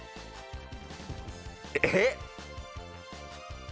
えっ？